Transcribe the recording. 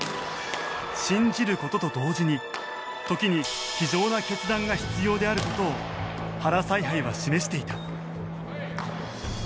信じる事と同時に時に非情な決断が必要である事を原采配は示していた。